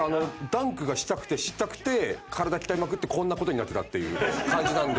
ダンクがしたくてしたくて体鍛えまくってこんな事になってたっていう感じなんで。